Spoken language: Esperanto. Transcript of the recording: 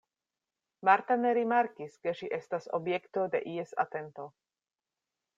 Marta ne rimarkis, ke ŝi estas objekto de ies atento.